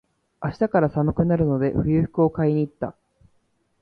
明日から寒くなるので、冬服を買いに行った。